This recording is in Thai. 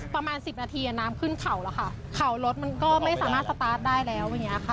ประมาณ๑๐นาทีน้ำขึ้นเข่าแล้วค่ะเข่ารถมันก็ไม่สามารถสตาร์ทได้แล้ว